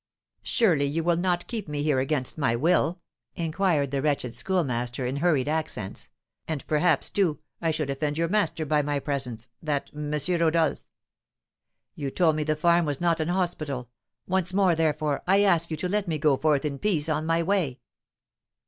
"Surely you will not keep me here against my will?" inquired the wretched Schoolmaster, in hurried accents; "and perhaps, too, I should offend your master by my presence that Monsieur Rodolph. You told me the farm was not an hospital; once more, therefore, I ask you to let me go forth in peace on my way."